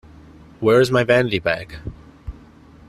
Where is my vanity bag?